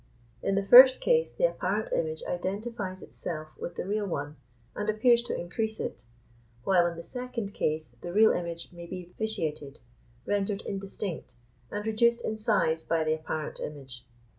In the first case the apparent image identifies itself with the real one, and appears to increase it, while, in the second case, the real image may be vitiated, rendered indistinct, and reduced in size by the apparent image.